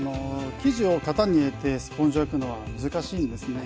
生地を型に入れてスポンジを焼くのは難しいんですね。